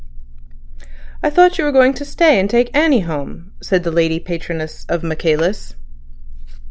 "I thought you were going to stay and take Annie home," said the lady patroness of Michaelis.